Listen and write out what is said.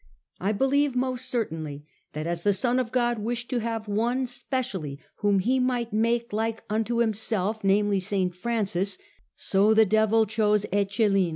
I believe most certainly that as the Son of God wished to have one specially whom He might make like unto Himself, namely St. Francis, so the Devil chose Eccelin."